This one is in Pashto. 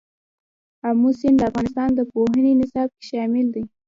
آمو سیند د افغانستان د پوهنې نصاب کې شامل دي.